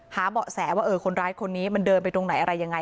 เบาะแสว่าคนร้ายคนนี้มันเดินไปตรงไหนอะไรยังไง